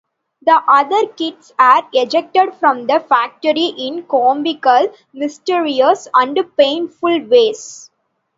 The other kids are ejected from the factory in comical, mysterious and painful ways.